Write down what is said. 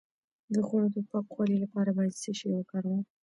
د خوړو د پاکوالي لپاره باید څه شی وکاروم؟